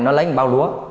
nó lấy một bao lúa